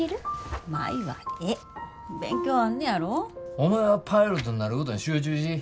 お前はパイロットになることに集中し。